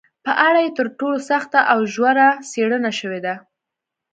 په اړه یې تر ټولو سخته او ژوره څېړنه شوې ده